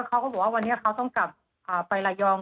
เขาก็บอกว่าวันนี้เขาต้องกลับไประยอง